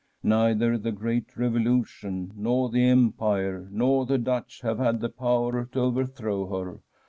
Neither the great Revolution, nor the Empire, nor the Dutch have had the power to overthrow her.